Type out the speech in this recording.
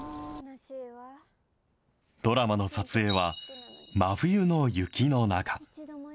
ドラマの撮影は、真冬の雪の中。